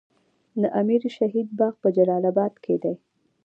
د امیر شهید باغ په جلال اباد کې دی